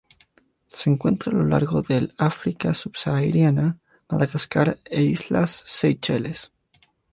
Se encuentran a lo largo del África subsahariana, Madagascar e islas Seychelles.